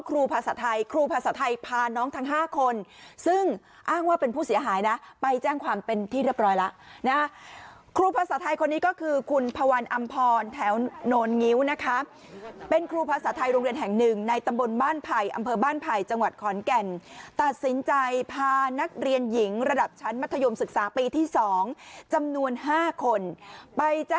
ภาษาไทยครูภาษาไทยพาน้องทั้ง๕คนซึ่งอ้างว่าเป็นผู้เสียหายนะไปแจ้งความเป็นที่เรียบร้อยแล้วนะครูภาษาไทยคนนี้ก็คือคุณพวันอำพรแถวโนลงิ้วนะคะเป็นครูภาษาไทยโรงเรียนแห่งหนึ่งในตำบลบ้านไผ่อำเภอบ้านไผ่จังหวัดขอนแก่นตัดสินใจพานักเรียนหญิงระดับชั้นมัธยมศึกษาปีที่๒จำนวน๕คนไปจ้